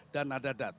dan ada dat